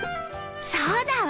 そうだわ！